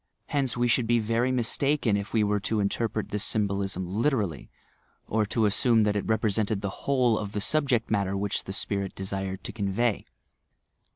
Hence we should be very mistaken if we were to interpret this symbolism literally, or to assume that it represented the whole of the subject matter which the spirit desired to convey.